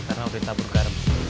karena udah ditabur garam